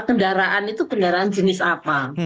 kendaraan itu kendaraan jenis apa